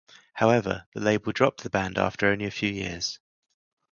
However, the label dropped the band after only a few years.